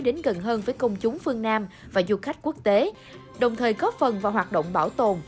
đến gần hơn với công chúng phương nam và du khách quốc tế đồng thời góp phần vào hoạt động bảo tồn